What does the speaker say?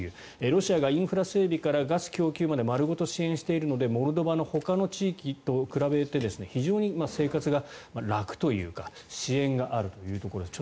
ロシアがインフラ整備からガス供給まで丸ごと支援しているのでモルドバのほかの地域と比べて非常に生活が楽というか支援があるというところです。